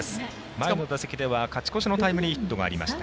前の打席では勝ち越しのタイムリーヒットがありました。